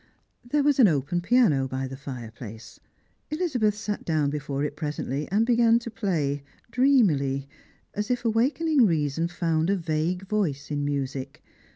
There was an open piano near the fii'eislace. Elizabeth sat down before it presently and began to play — dreamily — as if awakening reason found a vague voice in music.